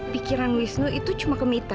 pikiran wisnu itu cuma ke mita